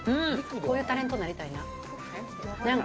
こういうタレントになりたいな。